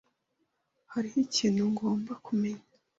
Hariho ikintu ngomba kumenya.